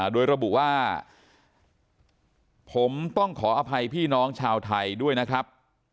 โดยระบุว่าผมต้องขออภัยพี่น้องชาวไทยด้วยนะครับ